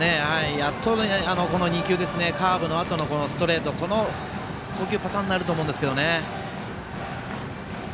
やっと、この２球カーブのあとのストレートこの投球パターンになると思うんですけどね。